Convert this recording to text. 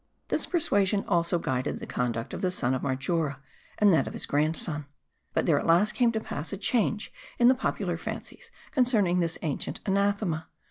This persuasion also guided the conduct of the son of Marjora, and that of his grandson. But there at last came to pass a change in the popular fancies concerning this ancient anathema.